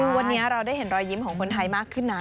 คือวันนี้เราได้เห็นรอยยิ้มของคนไทยมากขึ้นนะ